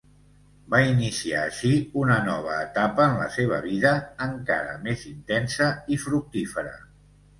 Va iniciar així una nova etapa en la seva vida, encara més intensa i fructífera.